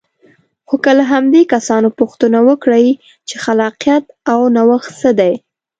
خو که له همدې کسانو پوښتنه وکړئ چې خلاقیت او نوښت څه دی.